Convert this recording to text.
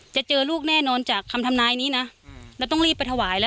จะเจอลูกแน่นอนจากคำทำนายนี้นะเราต้องรีบไปถวายแล้ว